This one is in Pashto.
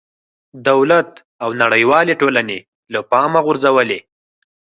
دولت او نړېوالې ټولنې له پامه غورځولې.